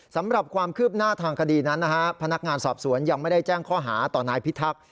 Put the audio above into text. สำหรับความคืบหน้าทางคดีนั้นนะฮะพนักงานสอบสวนยังไม่ได้แจ้งข้อหาต่อนายพิทักษ์